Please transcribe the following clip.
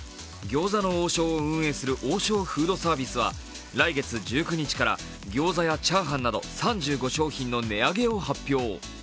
餃子の王将を運営する王将フードサービスは、来月１９日から餃子や炒飯など３５商品の値上げを発表。